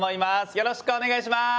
よろしくお願いします。